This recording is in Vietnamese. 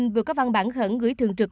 vừa có văn bản khẩn gửi thường trực